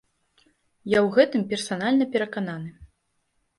Я ў гэтым персанальна перакананы.